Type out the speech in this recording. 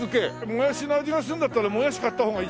もやしの味がするんだったらもやし買った方がいいじゃん。